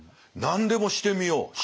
何でもしてみよう。